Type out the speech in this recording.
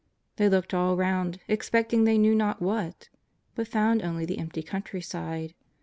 They looked all around, expecting they knew not what, but found only the empty countryside.